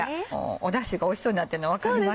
だしがおいしそうになってるのが分かります。